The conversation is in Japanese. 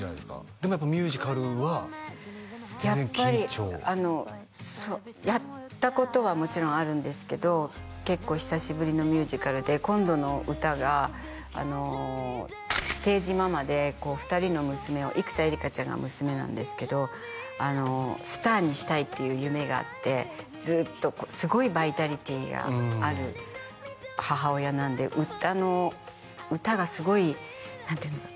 でもやっぱミュージカルはやっぱりあのやったことはもちろんあるんですけど結構久しぶりのミュージカルで今度の歌がステージママでこう２人の娘を生田絵梨花ちゃんが娘なんですけどスターにしたいっていう夢があってずっとすごいバイタリティーがある母親なんで歌の歌がすごい何ていうのかな？